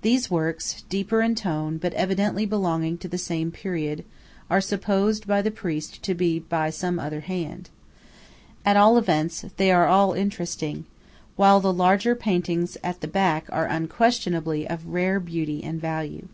These works, deeper in tone, but evidently belonging to the same period, are supposed by the priest to be by some other hand. At all events they are all interesting; while the larger paintings at the back are unquestionably of rare beauty and value.